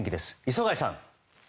磯貝さん。